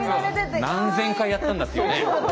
何千回やったんだっていうね。